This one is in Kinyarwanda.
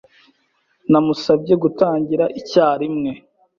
Namusabye gutangira icyarimwe.